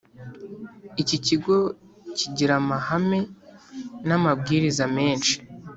iki kigo kigira amahame na amabwiriza menshi